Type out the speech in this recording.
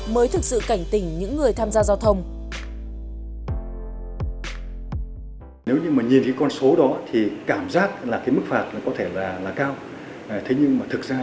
mới thực hiện được tù tù